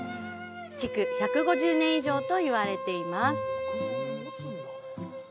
築１５０年以上と言われています。